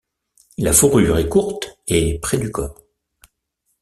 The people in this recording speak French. La fourrure est courte et près du corps.